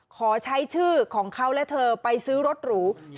ขอใช้ชื่อของเขาและเธอไปซื้อรถหรู